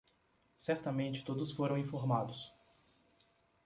Certamente todos foram informados